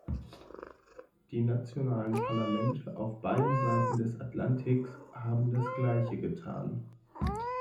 Die nationalen Parlamente auf beiden Seiten des Atlantiks haben das Gleiche getan.